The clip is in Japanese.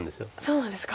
そうなんですか。